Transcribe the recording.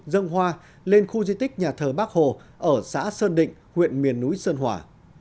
dâng hoa lên khu di tích nhà thờ bác hồ ở xã sơn định huyện miền núi sơn hòa